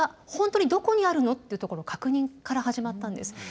本当にどこにあるのっていうところの確認から始まったんです。